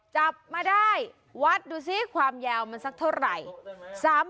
จับมาได้วัดดูซิความยาวมันสักเท่าไหร่